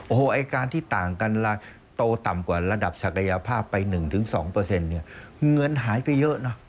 โอ้โหไอ้การที่ต่างกันโตต่ำกว่าระดับศักยภาพไป๑๒เนี่ยเงินหายไปเยอะนะ